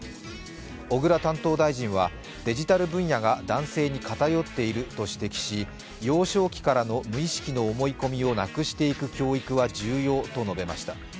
小倉担当大臣はデジタル分野が男性に偏っていると指摘し、幼少期からの無意識の思い込みをなくしていく教育は重要と述べました。